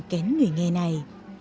kén người nghề này